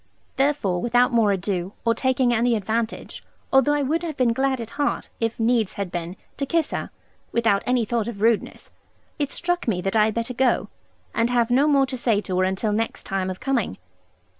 Therefore, without more ado, or taking any advantage although I would have been glad at heart, if needs had been, to kiss her (without any thought of rudeness) it struck me that I had better go, and have no more to say to her until next time of coming.